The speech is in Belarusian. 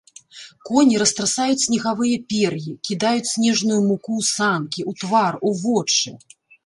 Коні растрасаюць снегавыя пер'і, кідаюць снежную муку ў санкі, у твар, у вочы.